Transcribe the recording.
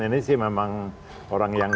ini sih memang orang yang